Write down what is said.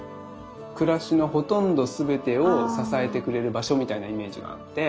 暮らしのほとんどすべてを支えてくれる場所みたいなイメージがあって。